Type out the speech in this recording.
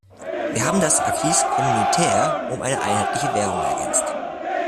Wir haben das acquis communautaire um eine einheitliche Währung ergänzt.